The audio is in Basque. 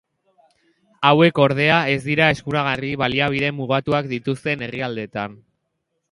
Hauek ordea, ez dira eskuragarriak baliabide mugatuak dituzten herrialdeetan.